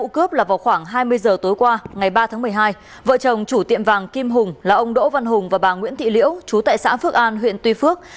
khoảng hai mươi h tối qua ngày ba tháng một mươi hai vợ chồng chủ tiệm vàng kim hùng là ông đỗ văn hùng và bà nguyễn thị liễu chú tại xã phước an huyện tuy phước